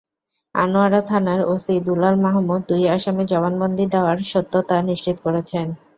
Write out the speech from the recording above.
আনোয়ারা থানার ওসি দুলাল মাহমুদ দুই আসামির জবানবন্দি দেওয়ার সত্যতা নিশ্চিত করেছেন।